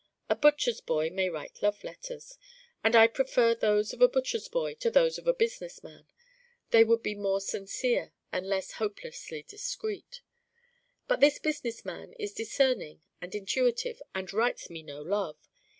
A butcher's boy may write love letters and I'd prefer those of a butcher's boy to those of a business man: they would be more sincere and less hopelessly discreet. But this business man is discerning and intuitive and writes me no love.